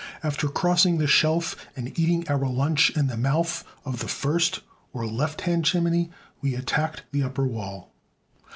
After crossing the shelf and eating our lunch in the mouth of the first or left hand chimney, we attacked the upper wall.